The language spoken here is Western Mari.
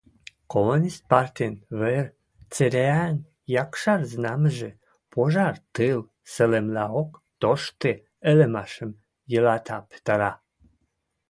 Коммунист партин вӹр цӹреӓн якшар знамӹжӹ пожар тыл салымлаок тошты ӹлӹмӓшӹм йылата, пӹтӓрӓ